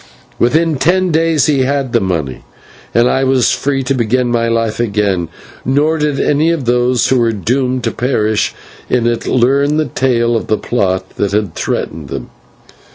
Within ten days he had the money, and I was free to begin my life again, nor did any of those who were doomed to perish in it, learn the tale of the plot that had threatened them.